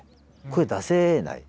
声出せない。